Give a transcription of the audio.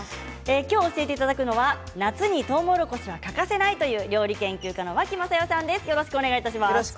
今日教えていただくのは夏にとうもろこしは欠かせないという料理研究家の脇雅世さんです。